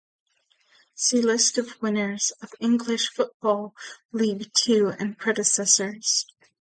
See List of winners of English Football League Two and predecessors.